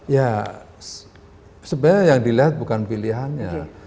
ya sebenarnya yang dilihat bukan pilihannya